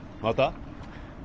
また？